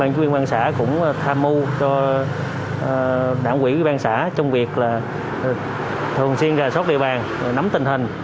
ban chủ yên ban xã cũng tham mưu cho đảng quỹ ban xã trong việc là thường xuyên ra sót địa bàn nắm tình hình